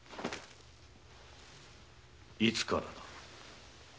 いつからだ。